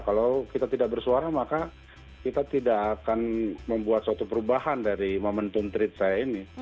kalau kita tidak bersuara maka kita tidak akan membuat suatu perubahan dari momentum tweet saya ini